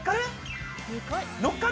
のっかる？